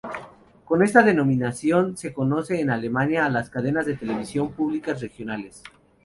Con esta denominación se conoce en Alemania a las cadenas de televisión públicas regionales.